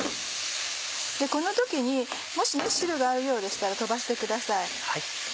この時にもし汁があるようでしたら飛ばしてください。